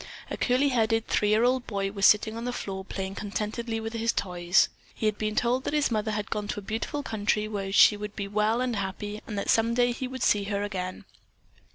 A curly headed three year old boy was sitting on the floor playing contentedly with his toys. He had been told that his mother had gone to a beautiful country where she would be well and happy and that some day he would see her again.